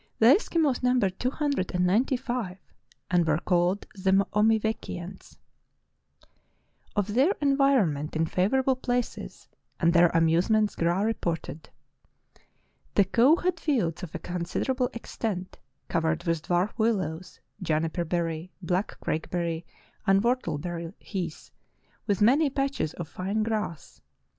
The Eskimos numbered two hundred and ninety five and were called the Omivekkians. 336 True Tales of Arctic Heroism Of their environment in favorable places and their amusements Graah reported: "The cove had fields of considerable extent, covered with dwarf willows, juni per berry, black crakeberry, and whortleberry heath, with many patches of fine grass.